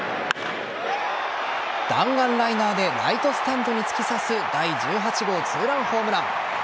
弾丸ライナーでライトスタンドに突き刺す第１８号２ランホームラン。